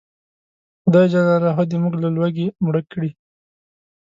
خدای ج دې موږ له لوږې مړه کړي